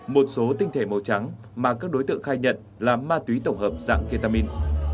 một số tinh thể màu trắng mà các đối tượng khai nhận là ma túy tổng hợp dạng ketamin